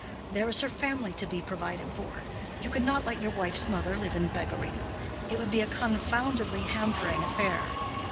There is her family to be provided for. You could not let your wife's mother live in beggary. It will be a confoundedly hampering affair.